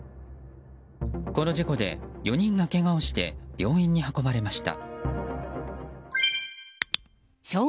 この事故で４人がけがをして病院に運ばれました。